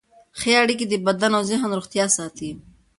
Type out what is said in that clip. ښه اړیکې د بدن او ذهن روغتیا ساتي.